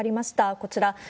こちら。